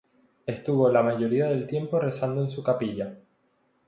Estuvo la mayoría del tiempo rezando en su capilla.